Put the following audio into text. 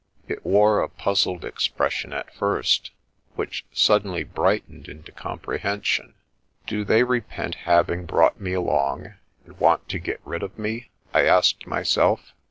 It wore a puzzled expression at first, which suddenly brightened into comprehension. " Do they repent having brought me along, and want to get rid of me ?" I asked myself.